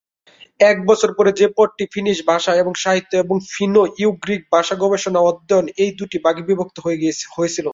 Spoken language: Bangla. এক বছর পরে যে পদটি ফিনিশ ভাষা এবং সাহিত্য এবং ফিনো-ইউগ্রিক ভাষা গবেষণা অধ্যয়ন এই দুটি ভাগে বিভক্ত হয়ে হয়েছিল।